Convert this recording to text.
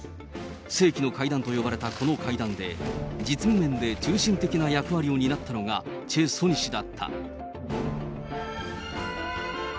世紀の会談と呼ばれたこの会談で、実務面で中心的な役割を担ったのがチェ・ソニ氏だった。